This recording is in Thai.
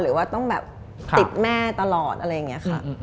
หรือว่าต้องแบบติดแม่ตลอดอะไรอย่างนี้ค่ะ